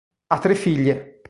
Ha tre figlie.